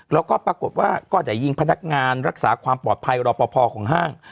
แล้วก็ปรากฏว่าก็ได้ยิงพนักงานรักษาความปลอดภัยรอปภของห้าง